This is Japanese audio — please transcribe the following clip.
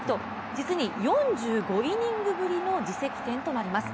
実に４５イニングぶりの自責点となります。